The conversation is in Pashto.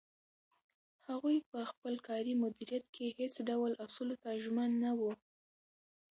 هغوی په خپل کاري مدیریت کې هیڅ ډول اصولو ته ژمن نه وو.